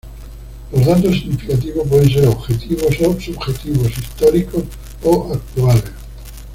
Los datos significativos pueden ser "objetivos" o "subjetivos", "históricos" o "actuales".